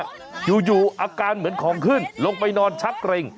อยู่อาการเหมือนของขึ้นลงไปนอนชักเกร็ง